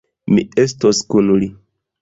Mi estos kun li.